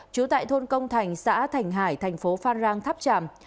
trú tại thôn công thành xã thành hải thành phố phan rang tháp tràm